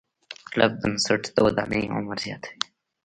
کلک بنسټ د ودانۍ عمر زیاتوي.